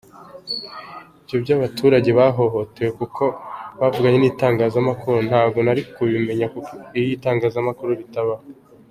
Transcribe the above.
Ibyo by’ abaturage bahohotewe kuko bavuganye n’ itangazamakuru ntabwo nari kubimenya iyo itangazamakuru ritabaho”.